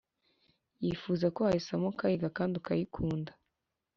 Yifuza ko wayisoma ukayiga kandi ukayikunda